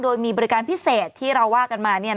โดยมีบริการพิเศษที่เราว่ากันมา